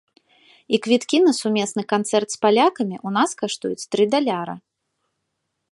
І квіткі на сумесны канцэрт з палякамі ў нас каштуюць тры даляра.